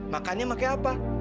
makannya pakai apa